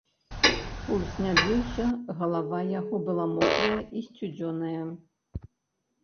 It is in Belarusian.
Пульс не біўся, галава яго была мокрая і сцюдзёная.